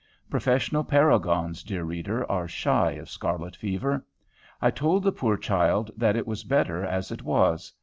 Professional paragons, dear reader, are shy of scarlet fever. I told the poor child that it was better as it was.